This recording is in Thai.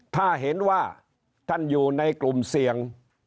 ถ้าเห็นว่าท่านอยู่ในกลุ่มเสี่ยง